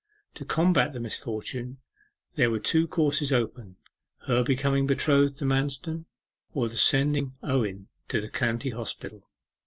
To combat the misfortune, there were two courses open her becoming betrothed to Manston, or the sending Owen to the County Hospital.